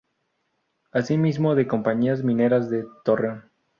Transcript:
Asimismo de compañías mineras de Torreón.